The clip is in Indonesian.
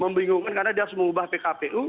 membingungkan karena dia harus mengubah pkpu